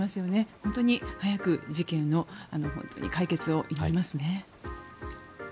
本当に早く事件の解決を祈りますよね。